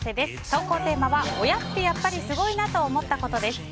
投稿テーマは、親ってやっぱりすごいなと思ったことです。